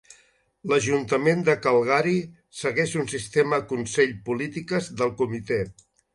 L'ajuntament de Calgary segueix un sistema consell-polítiques del comitè.